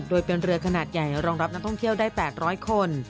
โดยเป็นเรือขนาดใหญ่รองรับนักท่องเที่ยวได้๘๐๐คน